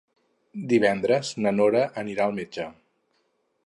Divendres na Nora anirà al metge.